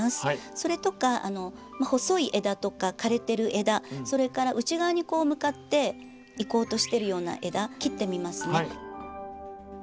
それとか細い枝とか枯れてる枝それから内側に向かっていこうとしてるような枝切ってみますね。